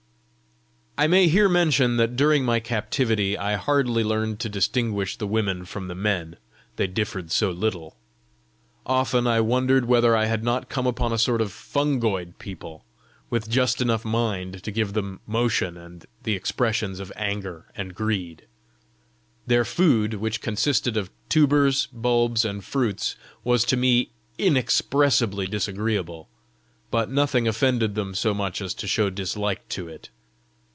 I may here mention that during my captivity I hardly learned to distinguish the women from the men, they differed so little. Often I wondered whether I had not come upon a sort of fungoid people, with just enough mind to give them motion and the expressions of anger and greed. Their food, which consisted of tubers, bulbs, and fruits, was to me inexpressibly disagreeable, but nothing offended them so much as to show dislike to it.